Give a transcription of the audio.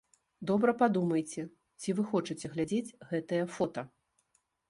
Добра падумайце, ці вы хочаце глядзець гэтыя фота.